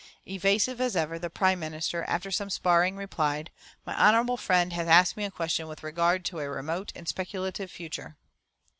Evasive as ever, the Prime Minister, after some sparring, replied, "My honourable friend has asked me a question with regard to a remote and speculative future."